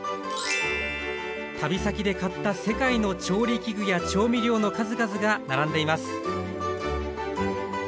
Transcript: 旅先で買った世界の調理器具や調味料の数々が並んでいます